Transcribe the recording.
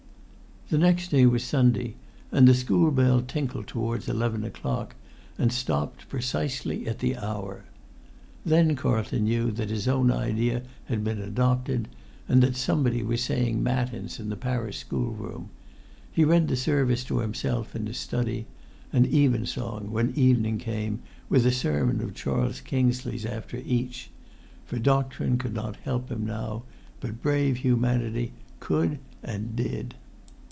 The next day was Sunday, and the school bell tinkled towards eleven o'clock, and stopped precisely at the hour. Then Carlton knew that his own idea had been adopted, and that somebody was saying matins in the parish school room: he read the service to himself in his study, and evensong when evening came, with a sermon of Charles Kingsley's after each: for doctrine could not help him now, but brave humanity could and did.